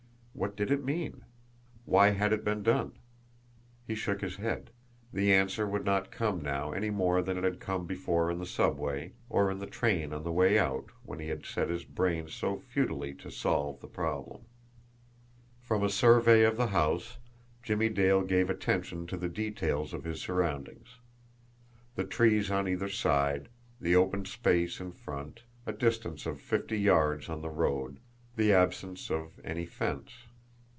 What did it mean? Why had it been done? He shook his head. The answer would not come now any more than it had come before in the subway, or in the train on the way out, when he had set his brain so futilely to solve the problem. From a survey of the house, Jimmie Dale gave attention to the details of his surroundings: the trees on either side; the open space in front, a distance of fifty yards to the road; the absence of any fence.